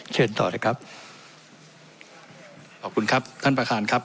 เชิญต่อเลยครับ